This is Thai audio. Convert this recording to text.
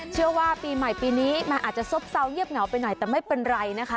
เชื่อว่าปีใหม่ปีนี้มันอาจจะซบเซาเงียบเหงาไปหน่อยแต่ไม่เป็นไรนะคะ